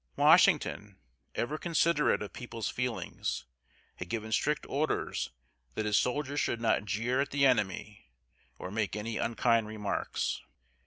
Washington, ever considerate of people's feelings, had given strict orders that his soldiers should not jeer at the enemy, or make any unkind remarks.